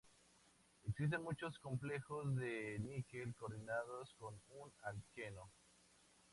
Existen muchos complejos de níquel coordinados con un alqueno.